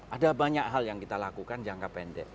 ada banyak hal yang kita lakukan jangka pendek